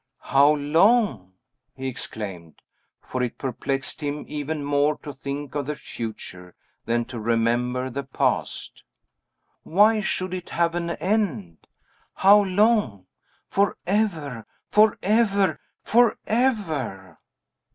"How long!" he exclaimed; for it perplexed him even more to think of the future than to remember the past. "Why should it have any end? How long! Forever! forever! forever!"